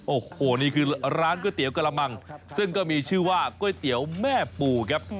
โอ้โหนี่คือร้านก๋วยเตี๋ยวกระมังซึ่งก็มีชื่อว่าก๋วยเตี๋ยวแม่ปูครับ